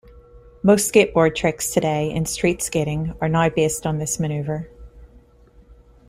Most skateboard tricks today in street skating are now based on this maneuver.